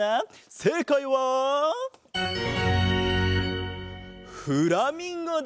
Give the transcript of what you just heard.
せいかいはフラミンゴだ。